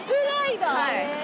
はい。